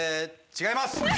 違います。